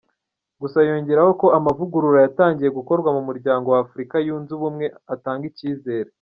Gusa yongeraho ko amavugurura yatangiye gukorwa mu Muryango wa Afurika yunze Ubumwe atanga icyizere.